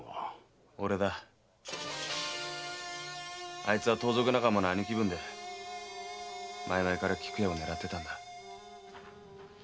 あいつは盗賊仲間の兄貴分で前々から菊屋を狙ってたんだ。